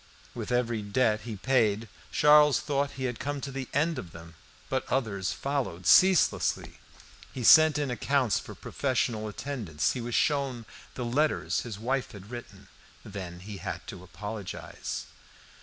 With every debt he paid Charles thought he had come to the end of them. But others followed ceaselessly. He sent in accounts for professional attendance. He was shown the letters his wife had written. Then he had to apologise.